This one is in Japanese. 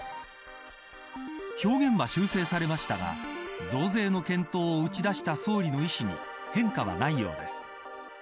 表現は修正されましたが増税の検討を打ち出した総理の意思に変化はないようです。